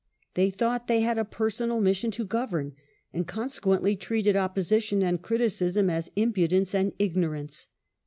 They thought they had a personal mission to govern, and consequently treated opposition and criticism as impudence or ignorance.